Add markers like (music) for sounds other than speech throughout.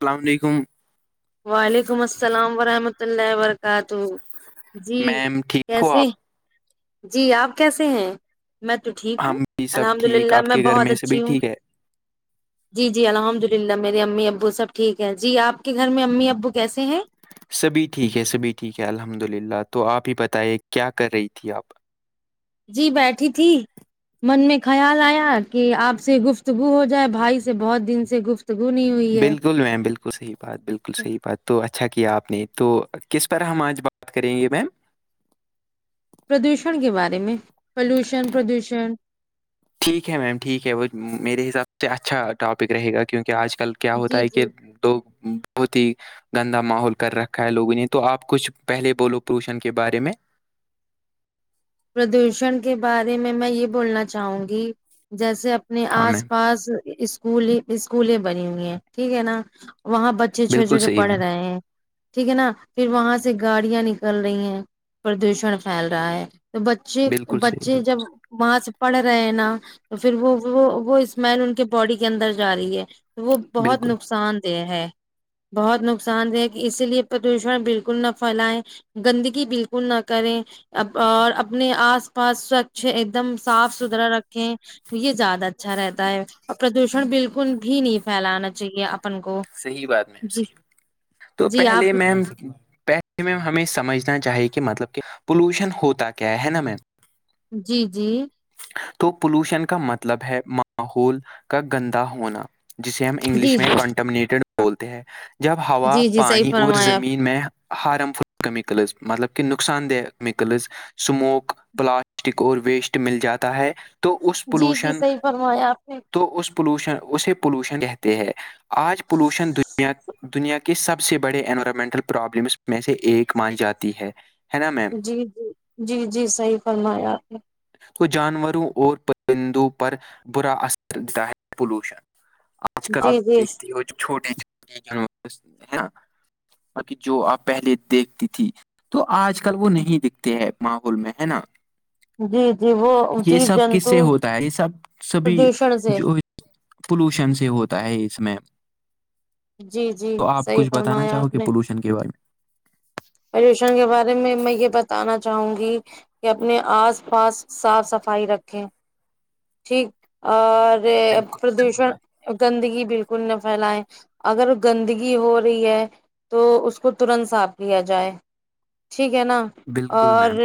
السلام علیکم وعلیکم السلام ورحمۃ اللہ وبرکاتہ جی میم ٹھیک ہو کیسے آپ ہیں جی آپ کیسے ہیں میں تو ٹھیک ہوں ہم بھی سب الحمد ٹھیک للہ آپ میں کے گھر بہت سبھی اچھی ہوں ٹھیک ہے جی جی الحمد للہ میرے امی ابو سب ٹھیک ہے جی آپ کے گھر میں امی ابو کیسے ہیں سبھی ٹھیک ہے سبھی ٹھیک ہے الحمد للہ تو آپ ہی بتائیے کیا کر رہی تھی آپ جی بیٹھی تھی من میں خیال آیا کہ آپ سے گفتگو ہو جائے بھائی سے بہت دن سے گفت توگ نہیں (inaudible) بالکل میںی بالکل (unintelligible) بال صحی بات بالکل صحیح بات تو اچھا کیا آپ نے تو کس پر ہم آج بات کریں گے میم پردوشن کے بارے میں پلوشن پردوشن ٹھیک ہے میم ٹھیک ہے وہ میرے حساب سے اچھا ٹاپک رہے گا کیونکہ آج کل کیا ہوتا جی ہے کہ جی دو بہت ہی گندا ماحول کر رکھا ہے لوگوں نے تو آپ کچھ پہلے بولو پوشن کے بارے میں پردوشن کے بارے میں میں یہ بولنا چاہوں گی جیسے اپنے ہاں میم آس پاس اسکول اسکول بنی ہوئی ہیں ٹھیک ہے نا وہاں ب اچھے چھوٹے بالکل چھوٹے صحیح پڑھ میم رہے ہیں (inaudible) ٹھیک ہے نا پھر وہاں سے گاڑیاں نکل رہی ہیں پردوشن پھیل رہا ہے تو بچے بالکل صحیح بچے جب بالکل صحیح وہاں سے پڑھ رہے ہیں نا تو پھر وہ وہ وہ اسمل ان کے باڈی کے اندر جا رہی ہے وہ بہت بالکل نقصان دہ ہے بہت نقصان دہ کہ اسی لیے پردوشن بالکل نہ پھیلیں گندگی بالکل نہ کریں ا اور ا اپنے آس پاس سوچھ ایک دم صاف ستھرا رکھ یہ زیادہ اچھا رہتا ہے اور پردوشن بالکل بھی نہیں پھیلانا چاہیے اپن کو صحی بات جی میمی تو جی پہلے آپ میم پ میم ہمیں سمجھنا چاہیے کہ مطلب کہ پولوشن ہوتا کیا ہے نا میم جی جی تو پولوشن کا مطلب ہے ماحول کا گندا ہونا جسے ہم جی انگلش میں جی کنٹمنیٹیڈ بولتے ہیں جب ہوا جی جی صحیح پانی اور فرمایا آپ زمین میں ہارم فل کیمکلز مطلب کہہ نقصان دہ کیمکلز سموک پلاسٹک اور ویسٹ مل جاتا ہے تو اس جی جی پولوشن صحیح فرمایا آپ نے تو اس پولوشن اسے پولوشن کہتے ہیں آج پولوشن دنیا دنیا کے سب سے بڑے انوائرمنٹل پرابلمس میں سے ایک مانی جاتی ہے نا میں جی جی جی جی صحیح فرمایا آپ نے کو جانوروں اور پرندوں پر برا اثر دیتا ہے پولوشن- جی جی (unintelligible) کہ جو آپ پہلے دیکھتی تھی- تو اج کل وہ نہیں دکھتے ہیں ماحول میں ہے نا- جی-جی وہ یہ جیب سب کس جنتو سے ہوتا ہے یہ سبھی پردوشن سے جو- پولیوشن سے ہوتا ہے اس میں- جی جی تو آپ صحیح کچھ بتانا فرمایا چاہو گ پولوشن کے بارے میں? پدوشن کے بارے میں میں یہ بتانا چاہوں گی کہ اپنے آس پاس صاف- صفائی رکھے ٹھیک- اور بالکل صحیح پردوشن بات گندگی بالکل نہ پھیلائے, اگر گندگی ہو رہی ہے تو اس کو ترنت صاف کیا جائے ٹھیک ہے نا بالکل اور میم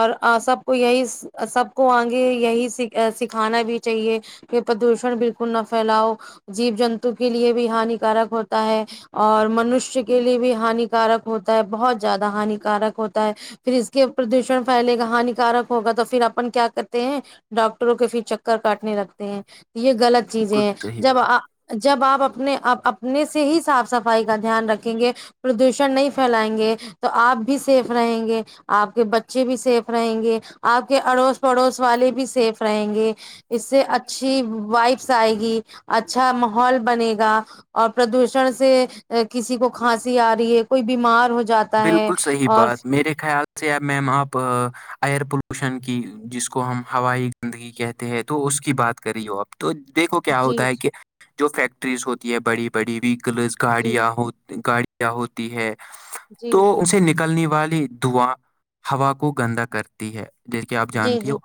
اور سب کو یہی سب کو آگے یہی سکھانا بھی چاہیے- کہ پردوشن بالکل نہ پھیلاؤ- جیب -جنتو کے لیے بھی ہانیکارک ہوتا ہے اور منشی کے لیے بھی ہانیکارک- ہوتا ہے بہت زیادہ ہانیکارک ہوتا ہے- پھر اس کے پردوشن پھیلے گا ہانیکارک ہوگا تو پھر اپن کیا کرتے ہیں- ڈاکٹروں کے پھر چکر کاٹنے لگتے ہیں یہ غلط چیزیں بالکل ہیں صحیح جب بات آ جب آپ اپنے اپنے سے ہی صاف صفائی کا دھیان رکھیں گے پردوشن نہیں پھیلائیں گے تو آپ بھی سیف رہیں گے- آپ کے بچے بھی سیف رہیں گے, آپ کے اڑوس پڑوس والے بھی سیف رہیں گے- اس سے اچھی وائبس آئے گی, اچھا ماحول بنے گا- اور پردوشن سے کسی کو کھانسی آ رہی, ہے کوئی بیمار ہو ج- بالکل صحیح بات میرے خیال میم آپ ایئر پولوشن کی جس کو ہم ہوائی گندگی کہتے ہیں تو اس کی بات کری ہو آپ- تو دیکھو کیا جی ہوتا ہے کہ جو فیکٹریز ہوتی ہے بڑی- بڑی ویکلز جی جی گاڑیاں ہو, گاڑیاں ہوتی ہے- تو اسے نکلنے والی دعاں ہوا کو گندا کرتی ہے- جس کہ آپ جی جی جانتی ہو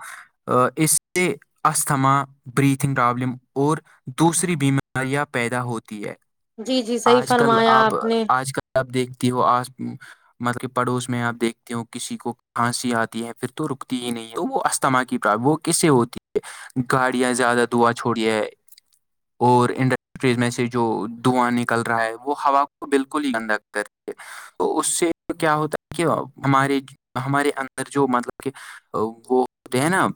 اس سے اسھما بریتنگ پرابلم اور دوسری بیماریاں پیدا ہوتی ہے- جی جی صحیح آج کل فرمایا آپ, نے آج کل آپ دیکھتی ہو آج مل کے پڑوس میں آپ دیکھتے ہو کسی کو کھانسی آتی ہے پھر تو رکتی ہی نہیں تو وہ استھما کی پر وہ ک سے ہوتی ہے گاڑیاں زیادہ دعا چھوڑی ہے اور انڈ- ریز میں سے جو دھواں نکل رہا ہے وہ ہوا کو بالکل ہی اندا کر ہے- تو اس سے کیا ہوتا ہے کہ ہمارے ہمارے اندر جو مطلب کہ وہ ہے نا اب-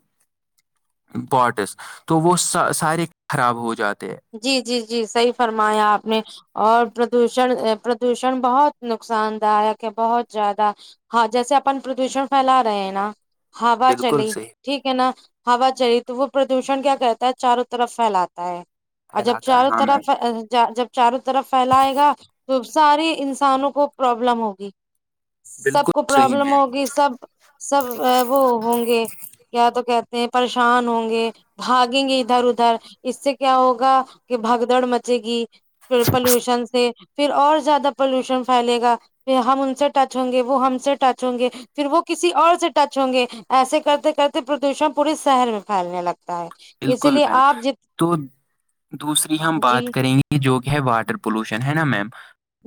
پاٹس تو وہ سارے خراب ہو جاتے ہیں- جی- جی- جی صحیح فرمایا آپ نے- اور پردوشن پردوشن بہت نقصان داک ہے بہت زیادہ- ہاں جیسے اپن پردوشن پھیلا رہے ہیں نا ہا بالکل چلی- صحیح ٹھیک ہے نا ہوا چلیی تو وہ پردوشن کیا کرتا ہے چاروں طرف پھیلاتا ہے- اور جب پھیلاتا ہے چاروں ہاں میم طرف جب چاروں طرف پھیلائے گا تو سارے انسانوں کو پرابلم ہوگی- سب بالکل کو صحیح پروابلم میم ہوگی سب سب وہ ہوں گے کیا تو کہتے ہیں پریشان ہوں گے بھاگیں گے ادھر ادھر اس سے کیا ہوگ ا کہ بھگدڑ مچے گی پھر پولوشن سے پھر اور زیادہ پلوشن پھیلے گا ہم ان سے ٹچ ہوں گے وہ ہم سے ٹچ ہوں گے پھر وہ کسی اور سے ٹچ ہوں گے ایسے کرتے کرتے پردوشن پورے شہر میں پھیلنے لگتا ہے اسی بالکل لیے بہم آپ جت تو دوسری ہم جی بات کریں گے یہ جو کہ ہے واٹر پولوشن ہے نا میم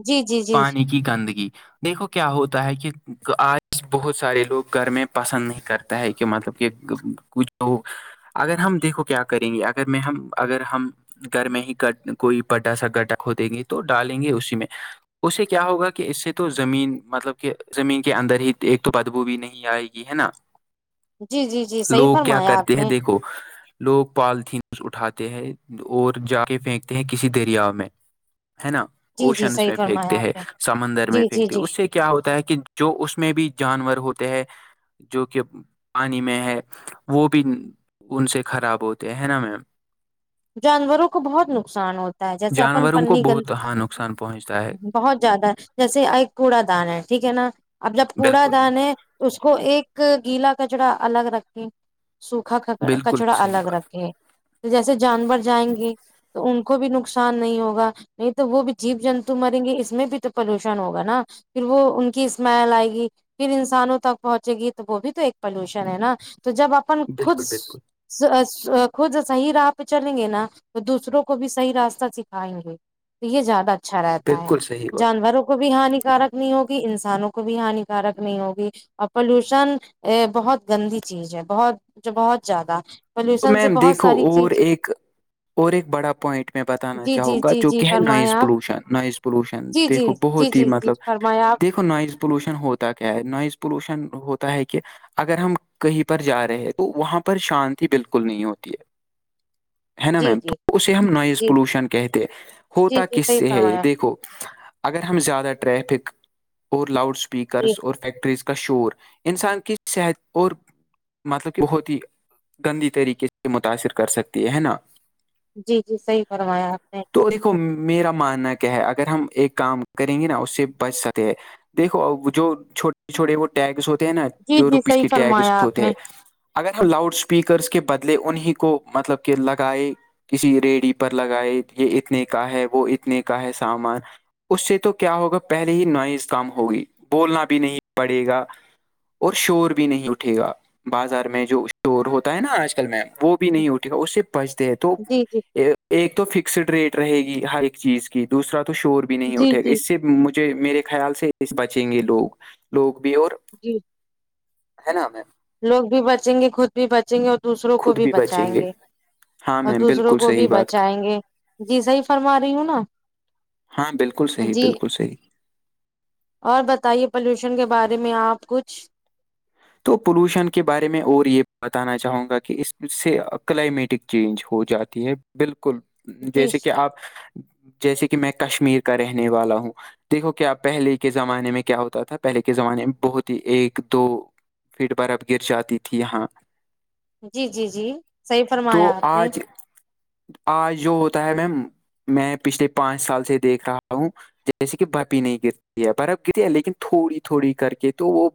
جی جی جی پانی کی گندگی دیکھو کیا ہوتا ہے کہ آج بہت سارے لوگ گھر میں پسند نہیں کرتا ہے کہ مطلب کہ ھ اگر ہم دیکھو کیا کریں گے اگر میں ہم اگر ہم گھر میں ہی گ کوئی بٹا سا گٹا ہو دیں گے تو ڈالیں گے اسی میں اس سے کیا ہوگا کہ اس سے تو زمین مطلب کہ زمین کے اندر ہی ایک تو بدبو بھی نہیں آئے یہ ہے نا جی جی جی صحیح لوگ کیا فرمایا آپ کرتے ہیں نے دیکھو لوگ پالتھینس اٹھاتے ہیں اور جا کے پھینکتے ہیں کسی دریا میں ہے نا جی جی اوشنس صحیح میں فرمایا پھینکتے ہیں آپ نے سمندر میں جی جی پھینکتے ہیں جی اس سے کیا کیا ہوتا ہے کہ جو اس میں بھی جانور ہوتے ہیں جو کہ پانی میں ہے وہ بھی ان سے خراب ہوتے ہیں ہے نا میم جانوروں کو بہت نقصان ہوتا ہے جیسے اپن جانوروں کو پنی بہت گندی ہاں نقصان پہنچتا ہے بہت زیادہ جیسے ایک کوڑا دان ہے ٹھیک ہے نا اب جب کوڑا بالکل دان ہے تو اس کو ایک گیلا کچڑا الگ رکھیں سوکھا بالکل کچڑا صحیح الگ بات رکھے جیسے جانور جائیں گے تو ان کو بھی نقصان نہیں ہوگا نہیں تو وہ بھی جیب جنتو مریں گے اس میں بھی تو پولوشن ہوگا نا پھر وہ ان کی اسمائل آئے گی پھر انسانوں تک پہنچے گی تو وہ بھی تو ایک پولوشن ہے نا تو جب آپ اپ خود بالکل بالکل خود صی را چلیں گے نا تو دوسروں کو بھی صحی راستہ سکھائیں گے تو یہ زیادہ اچھا رہتا ہے بالکل صحیح بات جانوروں کو بھی ہانیکارک نہیں ہوگی انسانوں کو بھی ہانیکارک نہیں ہوگی اور پولوشن ا بہت گندی چیز ہے بہت جو بہت زیادہ تو پولوشن سے میم بہت دیکھو ساری اور چیز ایک اور ایک بڑا پوائنٹ میں بتانا جی چاہوں جی گا جی جو جی کہ ہے نوائز فرمایا آپ پولوشن نوائز پولوشن جی جی دیکھو جی بہت ہی جی جی مطلب دیکھو فرمایا آپ دیکھو نوائز پولوشن ہوتا کیا ہے نوائز پولوشن ہوتا ہے کہ اگر ہم کہیں پر جا رہے ہیں تو وہاں پر شانتی بالکل نہیں ہوتی ہے ہے نا جی میم جی تو اسے ہم نوائز جی پولوشن کہتے جی ہوتا جی کس صحیح سے ہے فرمایا دیکھو اگر ہم زیادہ ٹریفک اور لاؤڈ جی اسپیکرس اور فیکٹریز کا شور انسان کی صحت اور مطلب کہ ہوتی گندی طریقے سے متاثر کر سکتی ہے ہے نا جی جی صحیح فرمایا آپ نے تو دیکھو میرا ماننا کیا ہے اگر ہم ایک کام کریں گے نا اس سے بچ سک دیکھو جو چھوٹی چھوڑے وہ ٹیگس ہوتے ہیں نا جی جو جی روپیز صحیح کے ٹیگس فرمایا آپ ہوتے نے ہیں اگر ہم لاؤڈ اسپیکرس کے بدلے انہیں کو مطلب کہ لگائے کسی ریڑی پر لگائے یہ اتنے کا ہے وہ اتنے کا ہے سامان اس سے تو کیا ہوگا پہلے ہی نوائز کام ہوگی بولنا بھی نہیں پڑے گا اور شور بھی نہیں اٹھے گا بازار میں جو شور ہوتا ہے نا آج کل میں وہ بھی نہیں اٹھی گا اس سے پچتے ہیں تو جی جی ایک تو فکسڈ ریٹ رہے گی ہر ایک چیز کی دوسرا تو شور بھی نہیں جی اٹھے گا جی اس سے مجھے میرے خیال سے بچیں گے لوگ لوگ بھی اور جی ہے نام ہے لوگ بھی بچیں گے خود بھی بچیں گے دوسروں کو بھی بچائیں گے ہاں اور میم دوسروں بالکل کو صحیح بھی بات بچائیں گے جی صحیح فرما رہی ہوں نا ہاں بالکل صحیح جی بالکل صی اور بتائیے پولوشن کے بارے میں آپ کچھ تو پولوشن کے بارے میں اور یہ بتانا چاہوں گا کہ اس سے کلائمیٹک چینج ہو جاتی ہے بالکل جی جیسے کہ آپ جیسے کہ میں کشمیر کا رہنے والا ہوں دیکھو کیا پہلے کے زمانے میں کیا ہوتا تھا پہلے کے زمانے میں بہت ہی ایک دو پھر برف گر جاتی تھی یہاں جی جی جی صحیح فرمایا تو آپ نے آج آج جو ہوتا ہے میم میں پچھلے پانچ سال سے دیکھ رہا ہوں جیسے کہ بپی نہیں گرتی ہے برف گرری ہے لیکن تھوڑی تھوڑی کر کے تو وہ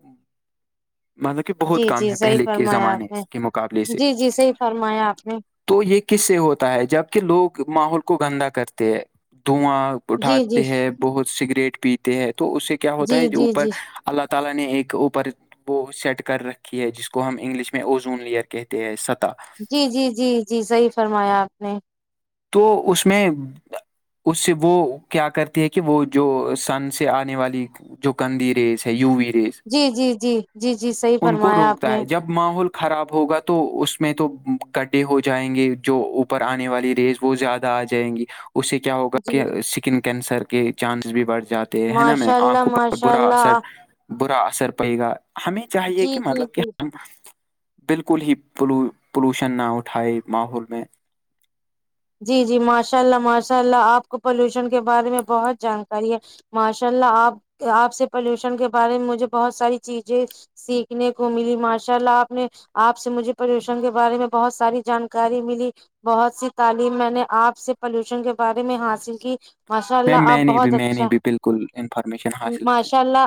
مطلب کہ بہت جی کم جی ہے صحیح پہلے کے فرمایا زمانے آپ نے کے مقابلے سے جی جی صحیح فرمایا آپ نے تو یہ کس سے ہوتا ہے جب کہ لوگ ماحول کو گندا کرتے ہیں دھواں جی جی اٹھاتے ہیں بہت سگریٹ پیتے ہیں تو اس سے کیا ہوتا جی ہے جو جی اوپر جی اللہ تعالی نے ایک اوپر وہ سیٹ کر رکھی ہے جس کو ہم انگلش میں اوزون لیئر کہتے ہیں سطح (unintelligible) جی جی جی جی صحیح فرمایا آپ نے تو اس میں اس سے وہ کیا کرتی ہے کہ وہ جو سن سے آنے والی جوکندی ریس ہے یووی ریس جی جی جی جی جی صحیح فرمایا آپ روکتا نے ہے جب ماحول خراب ہوگا تو اس میں تو گڈھے ہو جائیں گے جو اوپر آنے والی ریز وہ زیادہ آ جائیں گی اس سے کیا ہوگا کہ جی اسکن کینسر کے چانسز بھی بڑھ جاتے ت ہےا م ماشاء آنکھ اللہ اوپر ماشاء برا اثر اللہ برا اثر پے گا ہمیں چاہیے کہ جی جی مطلب کہ جی ہم بالکل ہی پولوشن نہ اٹھائے ماحول میں جی جی ماشاء اللہ ماشاء اللہ آپ کو پالوشن کے بارے میں بہت جانکاری ہے ماشاء اللہ آپ آپ سے پولوشن کے بارے میں مجھے بہت ساری چیزیں سیکھنے کو ملی ماشاء اللہ آپ نے آپ سے مجھے پردوشن کے بارے میں بہت ساری جانکاری ملی بہت سی تعلیم میں نے آپ سے پالوشن کے بارے میں حاصل کی ماشاء میم اللہ آپ میں نے بھی بہت میں نے اچھا بھی بالکل انفارمیشن حاصل کی ماشاء اللہ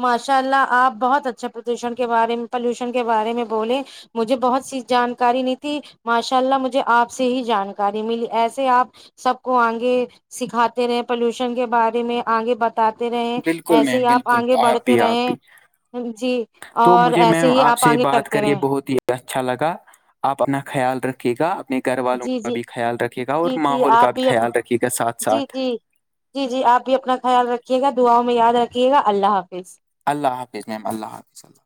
ماشاء اللہ آپ بہت اچھے پردوشن کے بارے پلوشن کے بارے میں بولیں مجھے بہت سی جانکاری نہیں تھی ماشاء اللہ مجھے آپ سے ہی جان اری ملی ایسے آپ سب کو آگے سکھاتے رہے پولوشن کے بارے میں آگے ب بتاتے رہے بالکل ایسے میم ہی آپ بالکل آگے آپ بڑھتے بھی آپ رہے بھی (unintelligible) جی تو اور مجھے ایسے میم ہی آپ سے آگے بات کرتے کر کے رہے بہت ہی اچھا لگا آپ اپنا خیال رکھیے گا اپنے گھر والوں جی کا جی بھی خیال رکھھیے گا اور جی جی ماحول کا آپ بھی خیال رکھیے گا ساتھ جی ساتھ جی جی جی آپ بھی اپنا خیال رکھیے گا دعاؤں میں یاد رکھیے گا اللہ حافظ اللہ حافظ مم اللہ حافظ اللہ